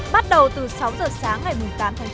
bắt đầu từ sáu giờ sáng ngày tám tháng chín